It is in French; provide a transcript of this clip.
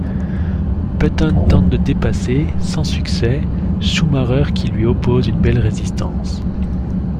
Button tente de dépasser, sans succès, Schumacher qui lui oppose une belle résistance.